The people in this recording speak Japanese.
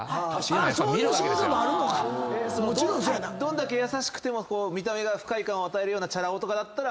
どれだけ優しくても見た目が不快感を与えるようなチャラ男とかだったら。